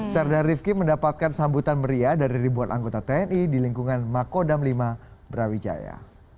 serda rifki mendapatkan sambutan meriah dari ribuan anggota tni di lingkungan makodam lima brawijaya